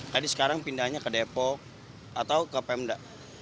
tadi sekarang pindahnya ke depok atau ke pemda